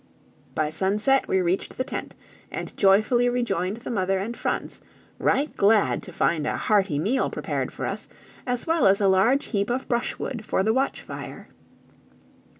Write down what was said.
By sunset we reached the tent, and joyfully rejoined the mother and Franz, right glad to find a hearty meal prepared for us, as well as a large heap of brushwood for the watch fire.